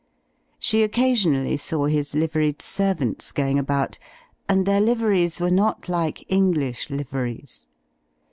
She occasionally saw his liver ied servants going about; and their liveries were not like English liveries.